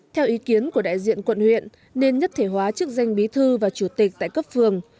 theo ý kiến của đại diện quận huyện nên nhất thể hóa chức danh bí thư và chủ tịch tại cấp phường